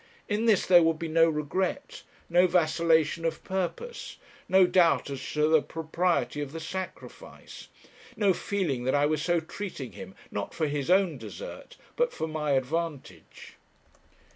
In this there would be no regret, no vacillation of purpose, no doubt as to the propriety of the sacrifice, no feeling that I was so treating him, not for his own desert, but for my advantage.